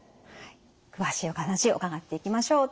詳しいお話伺っていきましょう。